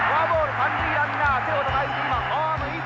三塁ランナー手をたたいて今ホームイン。